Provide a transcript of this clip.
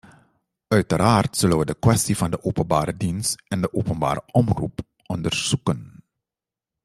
Uiteraard zullen wij de kwestie van de openbare dienst en de openbare omroep onderzoeken.